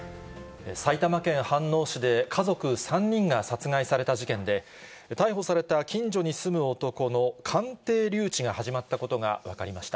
埼玉県飯能市で家族３人が殺害された事件で、逮捕された近所に住む男の鑑定留置が始まったことが分かりました。